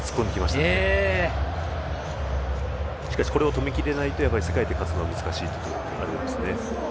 しかし、これを止めきれないと世界で勝つのは難しいですね。